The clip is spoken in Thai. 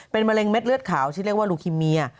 เป็นมะเร็งเม็ดเลือดขาวชื่อเรียกว่าลูคิเมีย